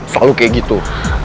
selalu kayak gitu